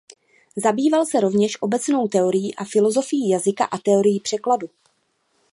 Zabýval se rovněž obecnou teorií a filozofií jazyka i teorií překladu.